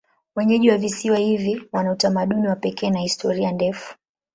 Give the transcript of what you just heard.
Wenyeji wa visiwa hivi wana utamaduni wa pekee na historia ndefu.